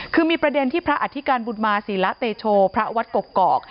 คือมีประเด็นที่พระอธิการบุญมาศิละเตโชพระวัดกกอก